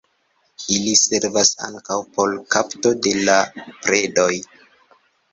Ili servas ankaŭ por kapto de la predoj.